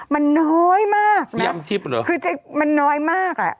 มันน้อยมากนะคือมันน้อยมาก